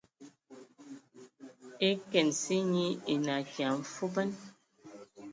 E kesin nyi enə akia mfuban.